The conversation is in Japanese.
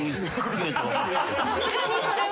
さすがにそれは。